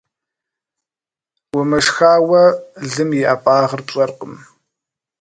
Умышхауэ, лым и ӀэфӀагъыр пщӀэркъым.